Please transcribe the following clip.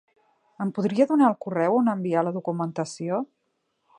Em podria donar el correu on enviar la documentació?